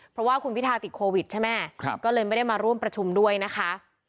เพราะว่าคุณพิทาติดโควิดใช่ไหมก็เลยไม่ได้มาร่วมประชุมด้วยนะคะ